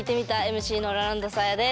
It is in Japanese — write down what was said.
ＭＣのラランドサーヤです。